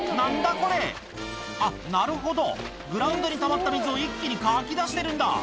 これあっなるほどグラウンドにたまった水を一気にかき出してるんだ